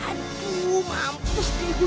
aduh mampus deh gue